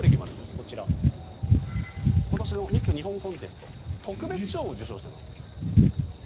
こちら今年のミス日本コンテスト特別賞を受賞しています。